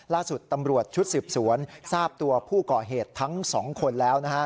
ล่าสุดตำรวจชุดสืบสวนทราบตัวผู้ก่อเหตุทั้งสองคนแล้วนะฮะ